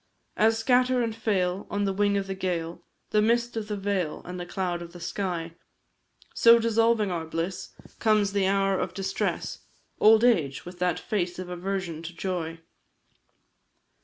As scatter and fail, on the wing of the gale, The mist of the vale, and the cloud of the sky, So, dissolving our bliss, comes the hour of distress, Old age, with that face of aversion to joy.